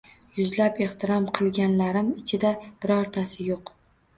Yuzlab ehtirom qilganlarim ichida birontasi yo’q.